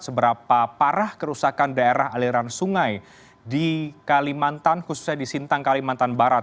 seberapa parah kerusakan daerah aliran sungai di kalimantan khususnya di sintang kalimantan barat